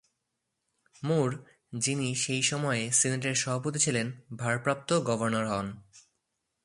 মুর, যিনি সেই সময়ে সিনেটের সভাপতি ছিলেন, ভারপ্রাপ্ত গভর্নর হন।